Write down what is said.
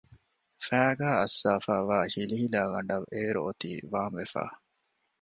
ފައިގާ އައްސާފައިވާ ހިލިހިލާގަނޑަށް އެއިރު އޮތީ ވާންވެފަ